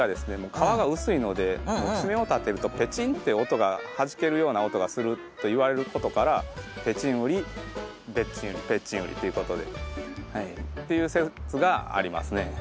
皮が薄いので爪を立てるとペちんって音がはじけるような音がするといわれることからぺちんウリぺっちんウリということで。という説がありますね。